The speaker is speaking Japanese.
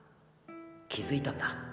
気付いたんだ。